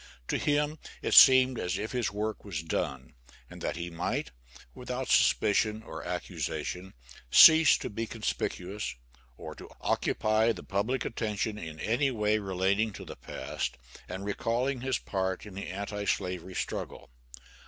To him it seemed as if his work was done, and that he might, without suspicion or accusation, cease to be conspicuous, or to occupy the public attention in any way relating to the past and recalling his part in the anti slavery struggle.